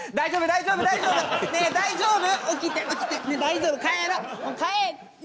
大丈夫大丈夫。